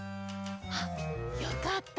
あっよかった。